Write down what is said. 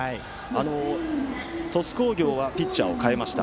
鳥栖工業はピッチャーを代えました。